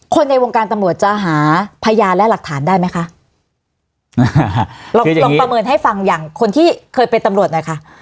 ในวงการตำรวจจะหาพยานและหลักฐานได้ไหมคะลองลองประเมินให้ฟังอย่างคนที่เคยเป็นตำรวจหน่อยค่ะ